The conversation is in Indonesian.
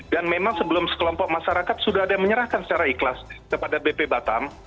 dan memang sebelum sekelompok masyarakat sudah ada yang menyerahkan secara ikhlas kepada bp batam